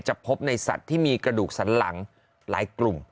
พบในสัตว์ที่มีกระดูกสันหลังหลายกลุ่ม